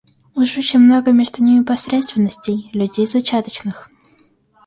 Уж очень много между ними посредственностей, людей зачаточных.